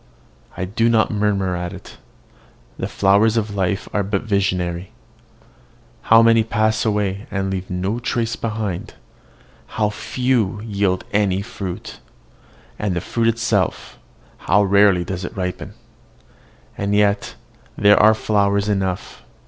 I do not murmur at it: the flowers of life are but visionary. How many pass away, and leave no trace behind how few yield any fruit and the fruit itself, how rarely does it ripen! And yet there are flowers enough!